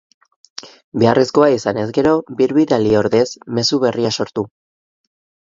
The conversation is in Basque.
Beharrezkoa izanez gero, birbidali ordez, mezu berria sortu.